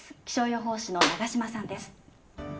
気象予報士の長島さんです。